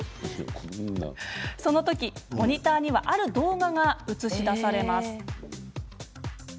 そのとき、モニターにはある動画が映し出されます。